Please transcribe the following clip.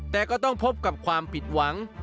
แต่ก็ต้องพบกับความผิดหวัง